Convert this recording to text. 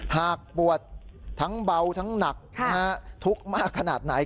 หากปวดทั้งเบาทั้งหนักทุกข์มากขนาดไหน